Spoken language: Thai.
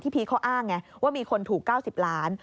ที่พีทเขาอ้างไงว่ามีคนถูก๙๐ล้านบาท